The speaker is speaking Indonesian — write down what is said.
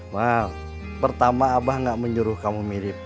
mahal pertama abah gak menyuruh kamu mirip